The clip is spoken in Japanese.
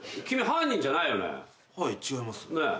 君犯人じゃないよね？